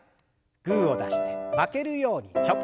グーを出して負けるようにチョキ。